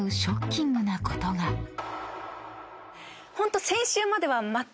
ホント。